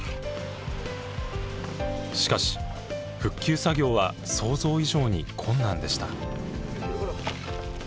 しかし復旧作業は想像以上に困難でした。